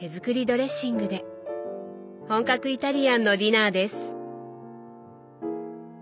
本格イタリアンのディナーです。